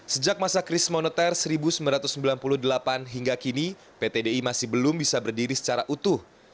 sejak masa kris moneter seribu sembilan ratus sembilan puluh delapan hingga kini pt di masih belum bisa berdiri secara utuh